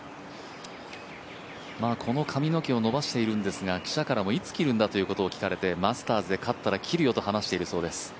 この髪の毛を伸ばしているんですが、記者からもいつ切るんだと聞かれてマスターズで勝ったら切るよと話しているそうです。